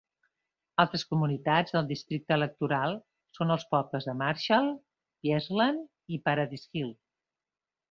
Altres comunitats del districte electoral són els pobles de Marshall, Pierceland i Paradise Hill.